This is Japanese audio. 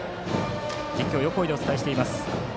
実況は横井でお伝えしています。